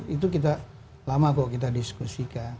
itu kita lama kok kita diskusikan